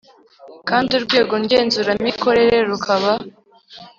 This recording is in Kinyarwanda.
kandi Urwego Ngenzuramikorere rukaba